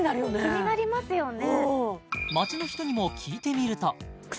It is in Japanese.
気になりますよね